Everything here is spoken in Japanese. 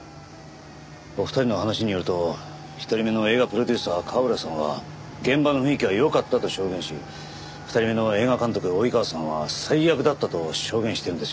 お二人の話によると１人目の映画プロデューサー川浦さんは現場の雰囲気は良かったと証言し２人目の映画監督の及川さんは最悪だったと証言してるんですよね。